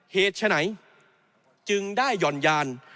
เหตุฉะนั้นจึงได้หย่อนยาญ